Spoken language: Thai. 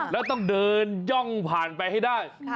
แล้วต้องเดินย่องผ่านไปให้ได้